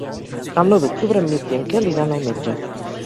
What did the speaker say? El nou d'octubre en Mirt i en Quel iran al metge.